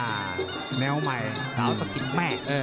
หนัวใหม่